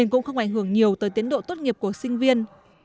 cũng không ảnh hưởng nhiều tới tiến độ tốt nghiệp của sinh viên